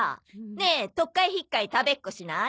ねえとっかえひっかえ食べっこしない？